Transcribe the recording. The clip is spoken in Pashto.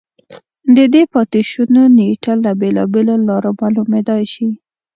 د دې پاتې شونو نېټه له بېلابېلو لارو معلومېدای شي